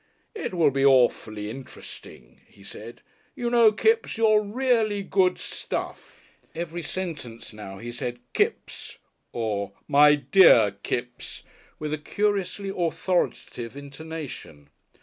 "It will be awfully interesting," he said. "You know, Kipps, you're really good stuff." (Every sentence now he said "Kipps" or "my dear Kipps" with a curiously authoritative intonation.)